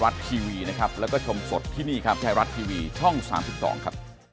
อันนี้ก็โอเค